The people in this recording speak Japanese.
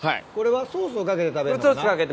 これはソースをかけて食べるのかな？